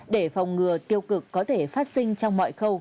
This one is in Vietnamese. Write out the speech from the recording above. để phòng ngừa tiêu cực có thể phát sinh trong mọi khâu